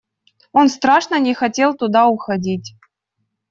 Он страшно не хотел туда уходить.